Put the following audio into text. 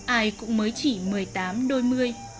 ai cũng mới chỉ một mươi tám hai mươi